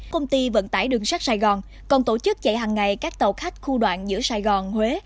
công ty vận tải đường sắt sài gòn còn tổ chức chạy hàng ngày các tàu khách khu đoạn giữa sài gòn huế